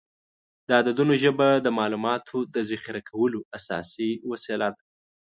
د عددونو ژبه د معلوماتو د ذخیره کولو اساسي وسیله ده.